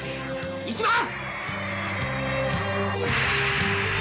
いきます！